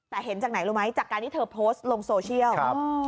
แต่เห็นจากไหนรู้ไหมจากการที่เธอโพสต์ลงโซเชียล